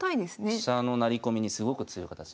飛車の成り込みにすごく強い形です。